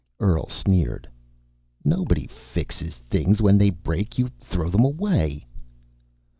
Earl sneered. "Nobody fixes things. When they break you throw them away."